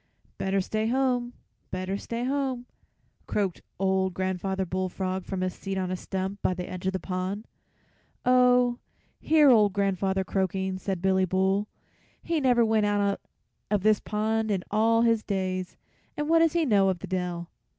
"Better stay home, better stay home," croaked old Grandfather Bullfrog from his seat on a stump by the edge of the pond. "Oh, hear old grandfather croaking!" said Billy Bull; "he never went out of this pond in all his days, and what does he know of the dell?"